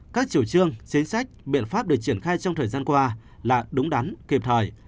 các chủ trương chính sách biện pháp được triển khai trong thời gian qua là đúng đắn kịp thời